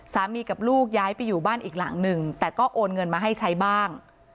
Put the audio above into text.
กับลูกย้ายไปอยู่บ้านอีกหลังหนึ่งแต่ก็โอนเงินมาให้ใช้บ้าง